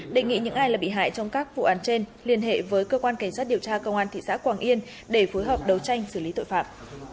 đề nghị những ai là bị hại trong các vụ án trên liên hệ với cơ quan cảnh sát điều tra công an thị xã quảng yên để phối hợp đấu tranh xử lý tội phạm